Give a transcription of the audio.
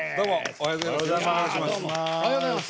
おはようございます。